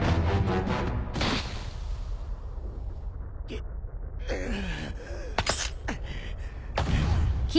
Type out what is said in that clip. うっうう。